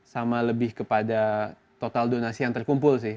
sama lebih kepada total donasi yang terkumpul sih